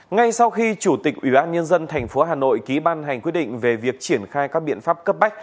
ngay sau khi chủ tịch ubnd tp hà nội ký ban hành quyết định về việc triển khai các biện pháp cấp bách